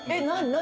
何？